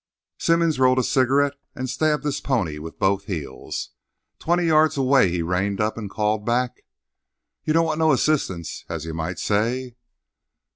Simmons rolled a cigarette and stabbed his pony with both heels. Twenty yards away he reined up and called back: "You don't want no—assistance, as you might say?"